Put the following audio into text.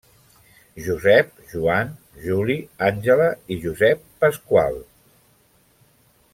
Josep, Joan, Juli, Àngela i Josep Pasqual.